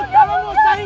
dam ardi udah